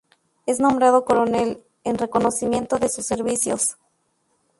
Es nombrado coronel en reconocimiento de sus servicios.